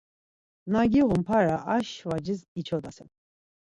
Na giğun para aşvacis içodasen.